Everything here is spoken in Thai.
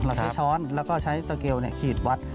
เราใช้ช้อนแล้วก็ใช้สเกลขีดวัด